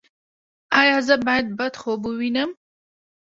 ایا زه باید بد خوب ووینم؟